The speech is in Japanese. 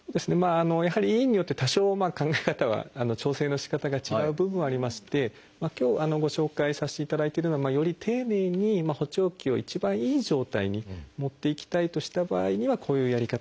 やはり医院によって多少考え方が調整のしかたが違う部分はありまして今日ご紹介させていただいてるのはより丁寧に補聴器を一番いい状態に持っていきたいとした場合にはこういうやり方が。